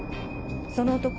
その男